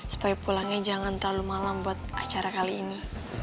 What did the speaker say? supaya pulangnya jangan terlalu malam buat acara kali ini